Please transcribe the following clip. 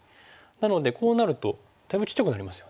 なのでこうなるとだいぶちっちゃくなりますよね。